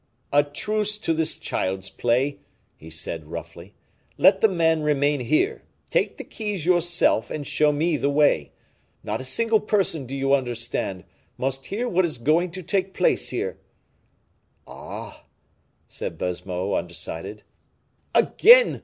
"A truce to this child's play," he said, roughly. "Let the man remain here; take the keys yourself, and show me the way. Not a single person, do you understand, must hear what is going to take place here." "Ah!" said Baisemeaux, undecided. "Again!"